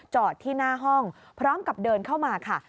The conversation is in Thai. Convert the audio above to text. จอดที่หน้าห้องพร้อมกับเดินเข้ามาค่ะ